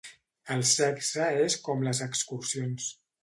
El sexe és com les excursions.